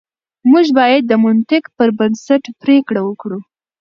موږ بايد د منطق پر بنسټ پرېکړه وکړو.